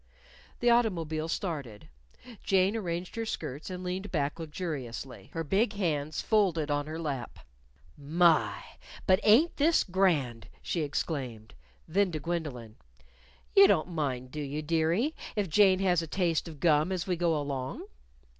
The automobile started. Jane arranged her skirts and leaned back luxuriously, her big hands folded on her lap. "My! but ain't this grand!" she exclaimed. Then to Gwendolyn: "You don't mind, do you, dearie, if Jane has a taste of gum as we go along?"